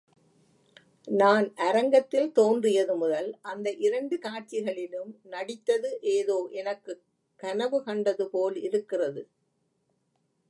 நான் அரங்கத்தில் தோன்றியது முதல், அந்த இரண்டு காட்சிகளிலும் நடித்தது ஏதோ எனக்குக் கனவு கண்டது போலிருக்கிறது.